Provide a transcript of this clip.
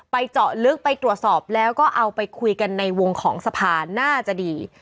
เจาะลึกไปตรวจสอบแล้วก็เอาไปคุยกันในวงของสภาน่าจะดี